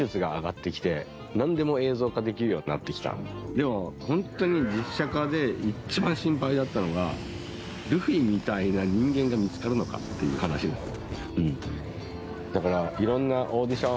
でも本当に実写化で一番心配だったのが、ルフィみたいな人間が見つかるかという話だった。